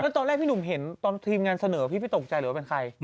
ตอนแรกพี่หนุ่มเห็นซะตอนทีมงานเสนอว่าเรายังไม่ตกใจไหม